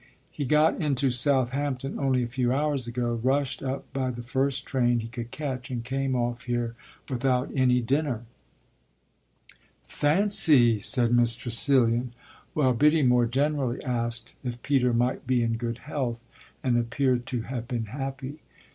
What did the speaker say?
He got into Southampton only a few hours ago, rushed up by the first train he could catch and came off here without any dinner." "Fancy!" said Miss Tressilian; while Biddy more generally asked if Peter might be in good health and appeared to have been happy.